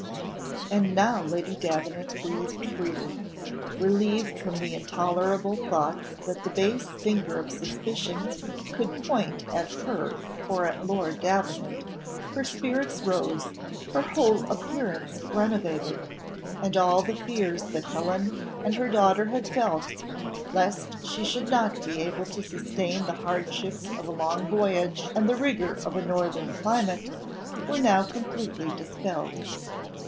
And now Lady Davenant breathed freely. Relieved from the intolerable thought that the base finger of suspicion could point at her or at Lord Davenant, her spirits rose, her whole appearance renovated, and all the fears that Helen and her daughter had felt, lest she should not be able to sustain the hardships of a long voyage and the rigour of a northern climate, were now completely dispelled.